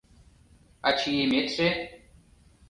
А чиеметше...